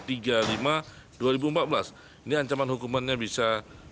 ini ancaman hukumannya bisa